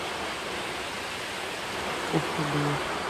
অহ, না!